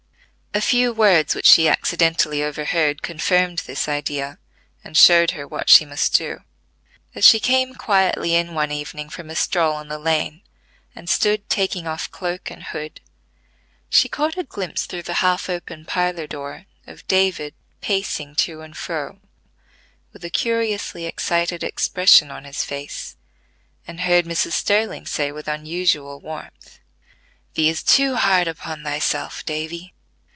A few words which she accidentally overheard confirmed this idea, and showed her what she must do. As she came quietly in one evening from a stroll in the lane, and stood taking off cloak and hood, she caught a glimpse through the half open parlor door of David pacing to and fro with a curiously excited expression on his face, and heard Mrs. Sterling say with unusual warmth: "Thee is too hard upon thyself, Davy.